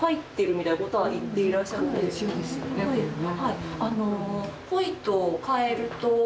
これね。